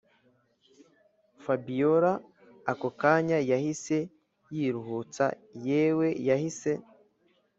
fabiora ako kanya yahise yiruhutsa yewe yahise